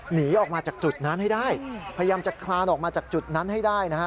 หนีออกมาจากจุดนั้นให้ได้พยายามจะคลานออกมาจากจุดนั้นให้ได้นะฮะ